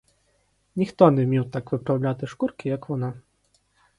Ніхто не вмів так виправляти шкурки, як вона.